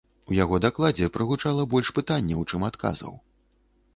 У яго дакладзе прагучала больш пытанняў, чым адказаў.